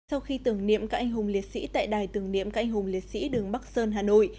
sau khi tưởng niệm các anh hùng liệt sĩ tại đài tưởng niệm các anh hùng liệt sĩ đường bắc sơn hà nội